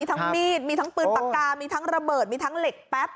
ทั้งมีดมีทั้งปืนปากกามีทั้งระเบิดมีทั้งเหล็กแป๊บ